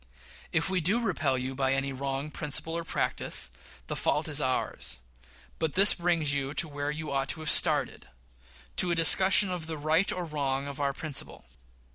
If we do repel you by any wrong principle or practice, the fault is ours; but this brings you to where you ought to have started to a discussion of the right or wrong of our principle.